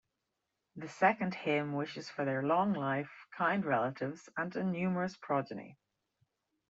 The second hymn wishes for their long life, kind relatives, and a numerous progeny.